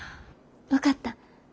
分かった。